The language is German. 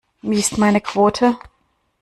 Wie ist meine Quote?